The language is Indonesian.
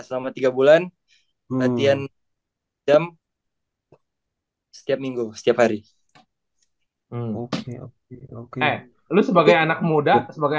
selama tiga bulan latihan jam setiap minggu setiap hari oke lalu sebagai anak muda sebagai